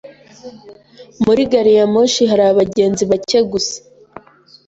Muri gari ya moshi hari abagenzi bake gusa.